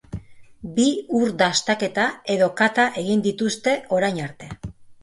Bi ur dastaketa edo kata egin dituzte orain arte.